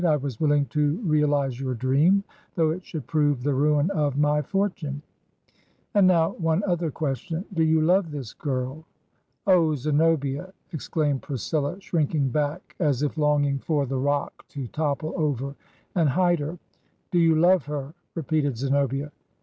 'I was willing to reahze your dream ... though it should prove the ruin of my fortune. ... And now, one other question. Do you love this girl?' 'Oh, Zenobia I' exclaimed Priscilla, shrinking back, as if longing for the rock to topple over and hide her. ' Do you love her?' repeated Zenobia.